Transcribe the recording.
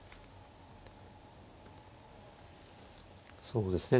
そうですね